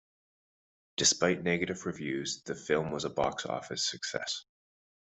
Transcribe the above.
Despite negative reviews, the film was a box office success.